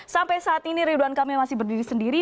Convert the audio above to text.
sampai saat ini ridwan kamil masih berdiri sendiri